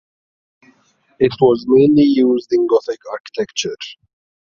It was mainly used in Gothic architecture.